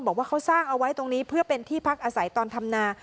บอกว่าเขาสร้างเอาไว้ตรงนี้เพื่อเป็นที่พักอาศัยตอนทำนา